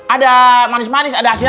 ada manis manis ada asin